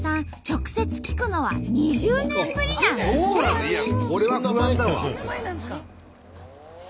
直接聞くのは２０年ぶりなんだって！